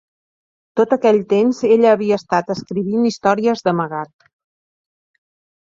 Tot aquell temps, ella havia estat escrivint històries d'amagat.